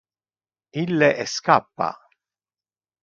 Ille escappa.